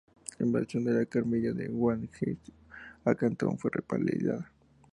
La invasión de la camarilla de Guangxi a Cantón fue repelida.